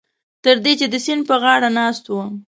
تر دې چې د سیند په غاړه ناست وو.